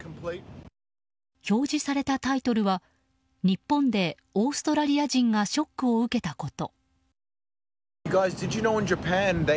表示されたタイトルは「日本でオーストラリア人がショックを受けたこと」。